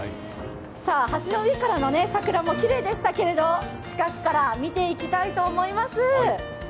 橋の上からの桜もきれいでしたけれども近くから見ていきたいと思います。